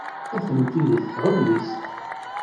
Atenti deg tɣellist.